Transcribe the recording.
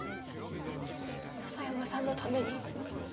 篠山さんのために？